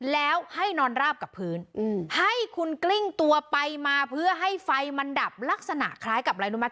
แล้วให้นอนราบกับพื้นให้คุณกลิ้งตัวไปมาเพื่อให้ไฟมันดับลักษณะคล้ายกับอะไรรู้ไหม